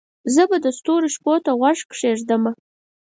زه به د ستورو شپو ته غوږ کښېږدمه